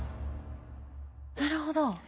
なるほど。